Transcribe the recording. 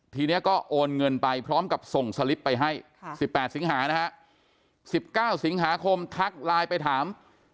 ทีนี้ก็โอนเงินไปพร้อมกับส่งสลิปไปให้๑๘สิงหานะฮะ๑๙สิงหาคมทักไลน์ไปถาม